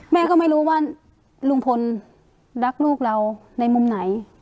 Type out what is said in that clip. แม่ก็ไม่รู้ว่าลุงพลรักลูกเราในมุมไหน